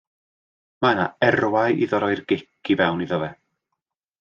Mae yna erwau iddo roi'r gic i fewn iddo fe.